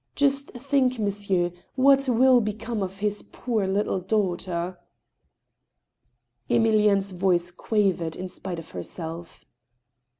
Just think, monsieur, what will be come of his poor little daughter ?" Emilienne 's voice quavered in spite of herself.